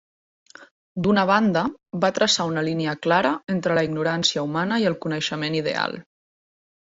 D'una banda, va traçar una línia clara entre la ignorància humana i el coneixement ideal.